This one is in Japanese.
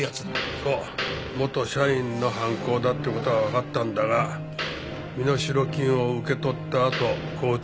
そう元社員の犯行だって事はわかったんだが身代金を受け取ったあと交通事故で死んだよ。